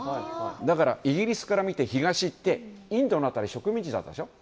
だからイギリスから見て東ってインドは植民地だったでしょ。